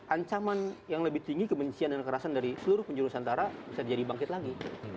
ancaman yang lebih tinggi kebencian dan kekerasan dari seluruh penjuru nusantara bisa jadi bangkit lagi